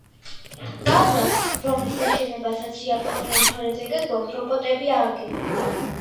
ბაზას, რომლის აშენებასაც იაპონია მთვარეზე გეგმავს, რობოტები ააგებენ.